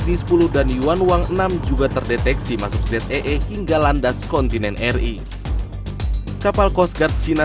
zi sepuluh dan yuan wang enam juga terdeteksi masuk zee hingga landas kontinen ri kapal coast guard cina